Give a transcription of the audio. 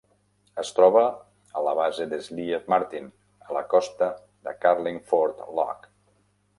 Es troba a la base de Slieve Martin, a la costa de Carlingford Lough.